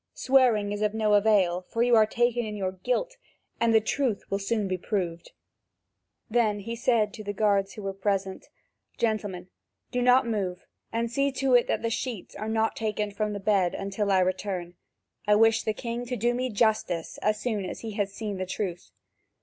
Swearing is of no avail, for you are taken in your guilt, and the truth will soon be proved." Then he said to the guards who were present: "Gentlemen, do not move, and see to it that the sheets are not taken from the bed until I return. I wish the king to do me justice, as soon as he has seen the truth."